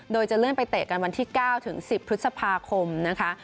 โดยจะเลื่อนไปเตะกันวันที่๙ถึง๑๐พฤษภาคมนะคะ